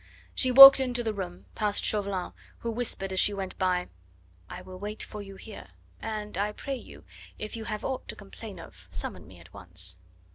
She walked into the room, past Chauvelin, who whispered as she went by: "I will wait for you here. And, I pray you, if you have aught to complain of summon me at once."